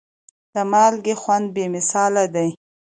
د مالګې خوند بې مثاله دی.